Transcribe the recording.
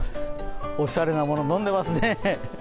おしゃれなもの、飲んでますね。